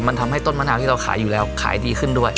มันทำให้ต้นมะนาวที่เราขายอยู่แล้วขายดีขึ้นด้วย